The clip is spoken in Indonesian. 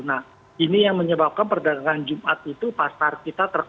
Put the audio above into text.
nah ini yang menyebabkan perdagangan jumat itu pasar kita terpaksa